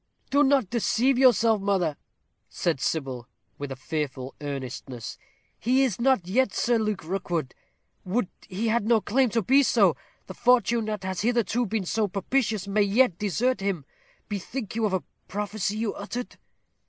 "Do not deceive yourself, mother," said Sybil, with a fearful earnestness. "He is not yet Sir Luke Rookwood; would he had no claim to be so! The fortune that has hitherto been so propitious may yet desert him. Bethink you of a prophecy you uttered."